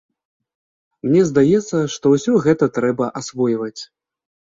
Мне здаецца, што ўсё гэта трэба асвойваць.